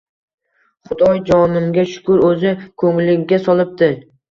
Xudoy jonimga shukr, O`zi ko`nglingga solibdi